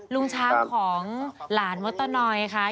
ลุงช้างของหลานมดตะนอยค่ะ